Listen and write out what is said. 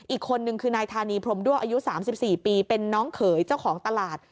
อีกคนนึงคือนายธานีพรมด้วอายุ๓๔ปีเป็นน้องเขยเจ้าของตลาด